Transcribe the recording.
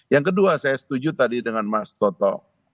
yang kedua saya setuju tadi dengan mas toto